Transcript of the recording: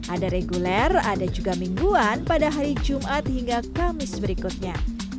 ada reguler ada juga mingguan pada hari jumat hingga kamis berikutnya